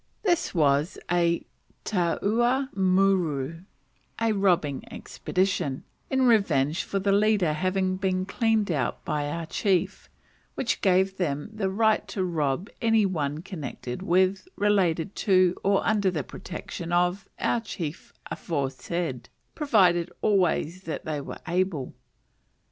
This was a taua muru (a robbing expedition) in revenge for the leader having been cleaned out by our chief, which gave them the right to rob any one connected with, related to, or under the protection of, our chief aforesaid, provided always that they were able.